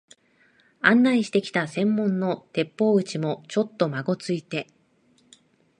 案内してきた専門の鉄砲打ちも、ちょっとまごついて、